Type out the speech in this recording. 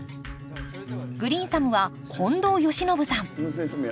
グリーンサムは近藤義展さん